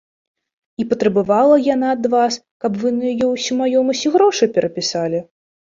І патрабавала яна ад вас, каб вы на яе ўсю маёмасць і грошы перапісалі?